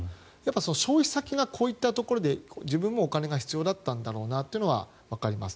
消費先がこういったところでお金が必要だったんだろうなとはわかります。